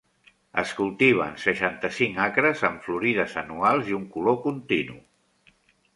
Es cultiven seixanta-cinc acres, amb florides anuals i un color continu.